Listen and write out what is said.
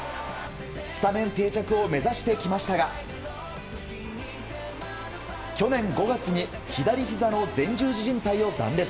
スタメン定着を目指してきましたが去年５月に左ひざの前十字じん帯を断絶。